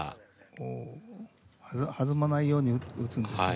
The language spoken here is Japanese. おお弾まないように打つんですね。